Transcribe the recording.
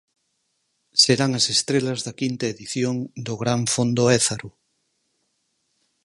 Serán as estrelas da quinta edición do Gran Fondo Ézaro.